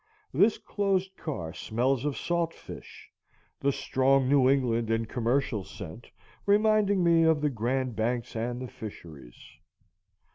This closed car smells of salt fish, the strong New England and commercial scent, reminding me of the Grand Banks and the fisheries.